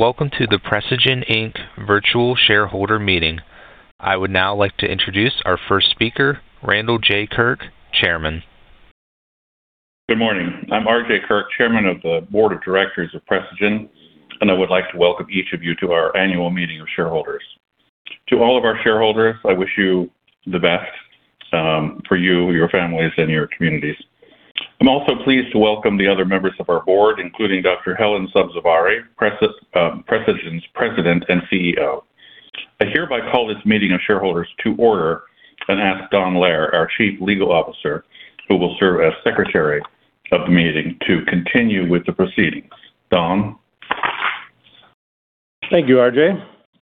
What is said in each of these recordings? Welcome to the Precigen, Inc. virtual shareholder meeting. I would now like to introduce our first speaker, Randal J. Kirk, Chairman. Good morning. I'm RJ Kirk, chairman of the board of directors of Precigen, and I would like to welcome each of you to our annual meeting of shareholders. To all of our shareholders, I wish you the best for you, your families, and your communities. I'm also pleased to welcome the other members of our board, including Dr. Helen Sabzevari, Precigen's President and CEO. I hereby call this meeting of shareholders to order and ask Don Lehr, our Chief Legal Officer, who will serve as secretary of the meeting, to continue with the proceedings. Don? Thank you, RJ.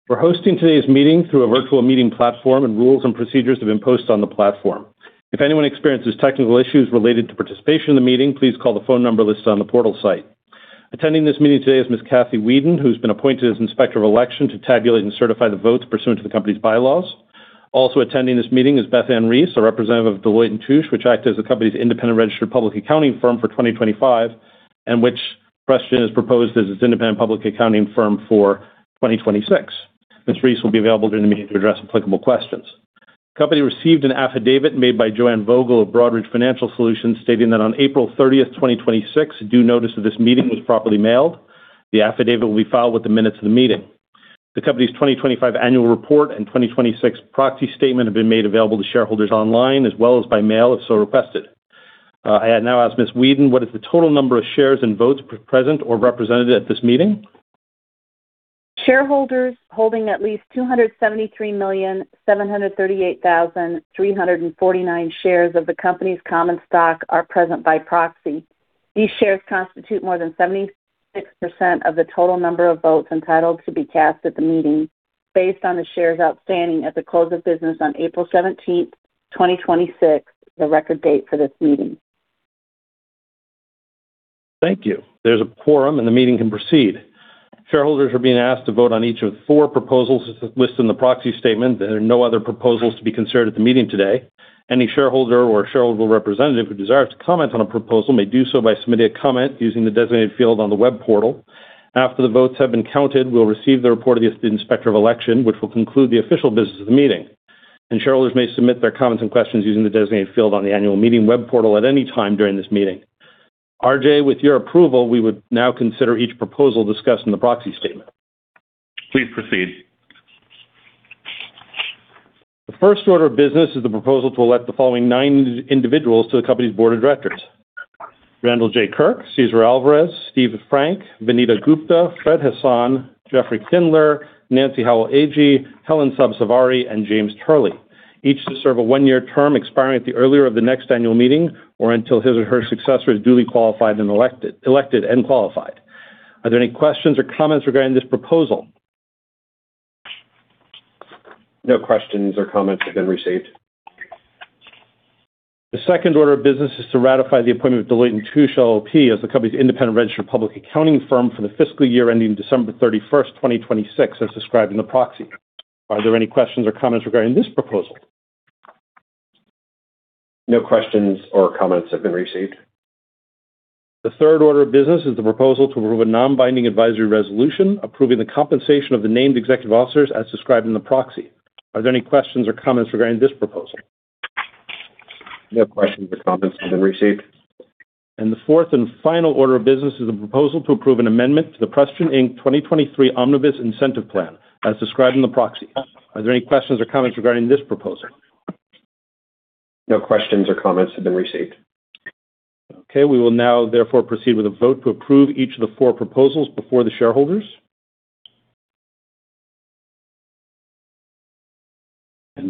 We're hosting today's meeting through a virtual meeting platform, and rules and procedures have been posted on the platform. If anyone experiences technical issues related to participation in the meeting, please call the phone number listed on the portal site. Attending this meeting today is Ms. Kathy Weeden, who's been appointed as Inspector of Election to tabulate and certify the votes pursuant to the company's bylaws. Also attending this meeting is Beth Ann Reese, a representative of Deloitte & Touche, which acts as the company's independent registered public accounting firm for 2025 and which Precigen has proposed as its independent public accounting firm for 2026. Ms. Reese will be available during the meeting to address applicable questions. The company received an affidavit made by Joanne Vogel of Broadridge Financial Solutions stating that on April 30th, 2026, due notice of this meeting was properly mailed. The affidavit will be filed with the minutes of the meeting. The company's 2025 annual report and 2026 proxy statement have been made available to shareholders online as well as by mail if so requested. I now ask Ms. Weeden what is the total number of shares and votes present or represented at this meeting? Shareholders holding at least 273,738,349 shares of the company's common stock are present by proxy. These shares constitute more than 76% of the total number of votes entitled to be cast at the meeting based on the shares outstanding at the close of business on April 17th, 2026, the record date for this meeting. Thank you. There's a quorum and the meeting can proceed. Shareholders are being asked to vote on each of the four proposals listed in the proxy statement. There are no other proposals to be considered at the meeting today. Any shareholder or shareholder representative who desires to comment on a proposal may do so by submitting a comment using the designated field on the web portal. After the votes have been counted, we'll receive the report of the Assistant Inspector of Election, which will conclude the official business of the meeting, and shareholders may submit their comments and questions using the designated field on the annual meeting web portal at any time during this meeting. RJ, with your approval, we would now consider each proposal discussed in the proxy statement. Please proceed. The first order of business is the proposal to elect the following nine individuals to the company's board of directors: Randal J. Kirk, Cesar Alvarez, Steve Frank, Vinita Gupta, Fred Hassan, Jeffrey Kindler, Nancy Howell Agee, Helen Sabzevari, and James Turley, each to serve a one-year term expiring at the earlier of the next annual meeting or until his or her successor is duly qualified and elected and qualified. Are there any questions or comments regarding this proposal? No questions or comments have been received. The second order of business is to ratify the appointment of Deloitte & Touche LLP as the company's independent registered public accounting firm for the fiscal year ending December 31st, 2026, as described in the proxy. Are there any questions or comments regarding this proposal? No questions or comments have been received. The third order of business is the proposal to approve a non-binding advisory resolution approving the compensation of the named executive officers as described in the proxy. Are there any questions or comments regarding this proposal? No questions or comments have been received. The fourth and final order of business is a proposal to approve an amendment to the Precigen, Inc. 2023 Omnibus Incentive Plan as described in the proxy. Are there any questions or comments regarding this proposal? No questions or comments have been received. Okay. We will now therefore proceed with a vote to approve each of the four proposals before the shareholders.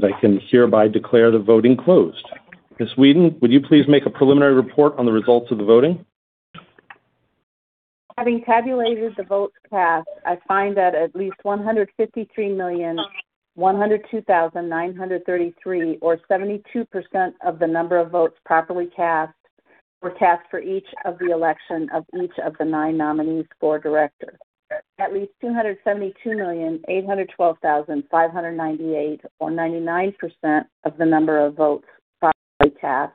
I can hereby declare the voting closed. Ms. Weeden, would you please make a preliminary report on the results of the voting? Having tabulated the votes cast, I find that at least 153,102,933, or 72% of the number of votes properly cast, were cast for each of the election of each of the nine nominees for director. At least 272,812,598, or 99% of the number of votes properly cast,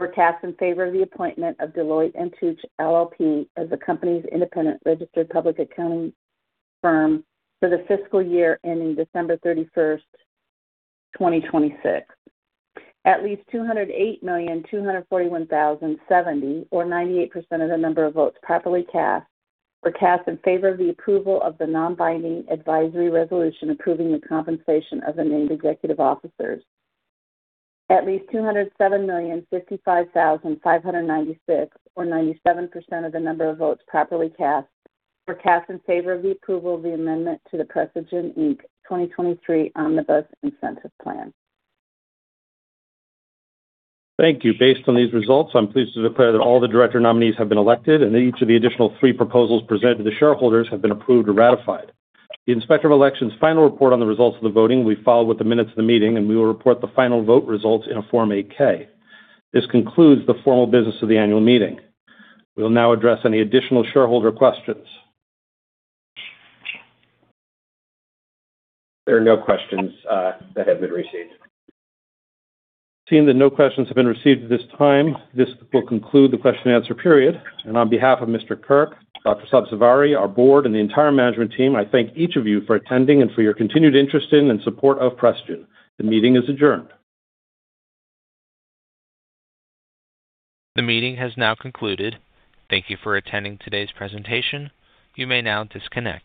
were cast in favor of the appointment of Deloitte & Touche LLP as the company's independent registered public accounting firm for the fiscal year ending December 31st, 2026. At least 208,241,070, or 98% of the number of votes properly cast, were cast in favor of the approval of the non-binding advisory resolution approving the compensation of the named executive officers. At least 207,055,596, or 97% of the number of votes properly cast, were cast in favor of the approval of the amendment to the Precigen, Inc. 2023 Omnibus Incentive Plan. Thank you. Based on these results, I'm pleased to declare that all the director nominees have been elected and that each of the additional three proposals presented to the shareholders have been approved or ratified. The Inspector of Elections final report on the results of the voting will be filed with the minutes of the meeting, and we will report the final vote results in a Form 8-K. This concludes the formal business of the annual meeting. We will now address any additional shareholder questions. There are no questions that have been received. Seeing that no questions have been received at this time, this will conclude the question and answer period. On behalf of Mr. Kirk, Dr. Sabzevari, our board, and the entire management team, I thank each of you for attending and for your continued interest in and support of Precigen. The meeting is adjourned. The meeting has now concluded. Thank you for attending today's presentation. You may now disconnect.